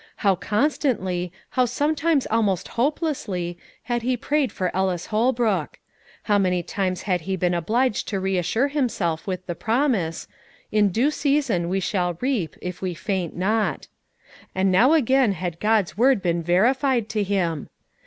How constantly, how sometimes almost hopelessly, had he prayed for Ellis Holbrook! How many times had he been obliged to reassure himself with the promise, "In due season we shall reap, if we faint not." And now again had God's word been verified to him.